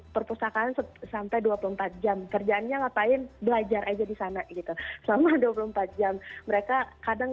perpustakaan sampai dua puluh empat jam kerjaannya ngapain belajar aja di sana gitu selama dua puluh empat jam mereka kadang